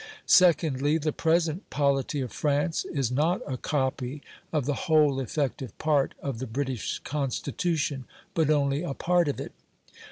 Secondly, the present polity of France is not a copy of the whole effective part of the British Constitution, but only a part of it.